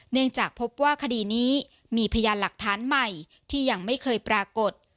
เนื่องจากพบว่าคดีนี้มีพยานหลักฐานใหม่ที่ยังไม่เคยปรากฏ